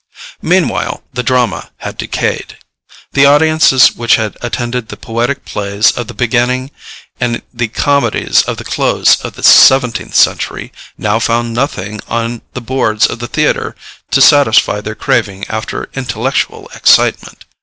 Meanwhile the drama had decayed. The audiences which had attended the poetic plays of the beginning and the comedies of the close of the seventeenth century now found nothing on the boards of the theatre to satisfy their craving after intellectual excitement.